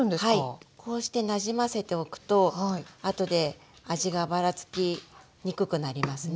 こうしてなじませておくとあとで味がばらつきにくくなりますね。